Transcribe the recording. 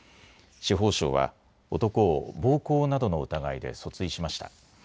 司法省は男を暴行などの疑いで訴追しました。